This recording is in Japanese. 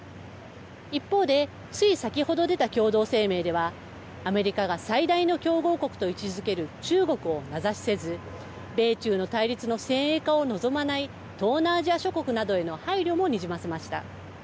一方でつい先ほど出た共同声明ではアメリカが最大の競合国と位置づける中国を名指しせず、米中の対立の先鋭化を望まない東南アジア諸国などへの配慮もにじませました。